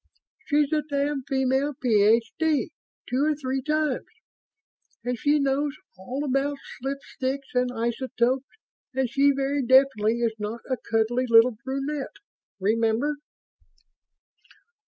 "She's a damned female Ph.D. two or three times and she knows all about slipsticks and isotopes and she very definitely is not a cuddly little brunette. Remember?"